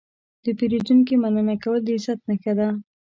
د پیرودونکي مننه کول د عزت نښه ده.